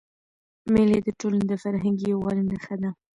مېلې د ټولني د فرهنګي یووالي نخښه ده.